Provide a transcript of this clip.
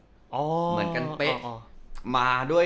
เหมือนกันเป๊ะ